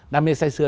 năm nay xây xưa